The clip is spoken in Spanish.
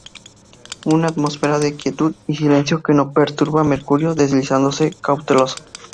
Una atmósfera de quietud y silencio que no perturba Mercurio, deslizándose cauteloso.